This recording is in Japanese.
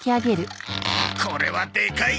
これはでかい！